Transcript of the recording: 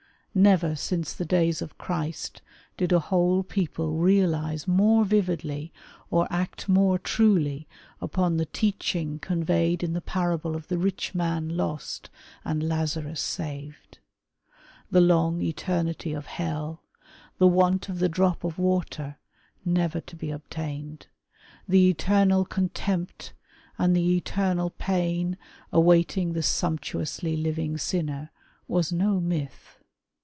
Never since the days of Christ did a whole people realize more vividly or act more truly upon the teaching conveyed in the parable of the rich man lost and Lazarus saved. The long eternity of hell, the Avant of the drop of water, never to be obtained, the eternal contempt and the eternal pain awaiting the sumptuously living sinner, was no myth.